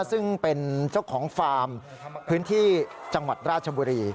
ซึ่งเป็นเจ้าของฟาร์มพื้นที่จังหวัดราชบุรี